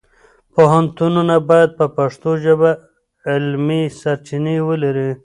پوهنتونونه باید په پښتو ژبه علمي سرچینې ولري.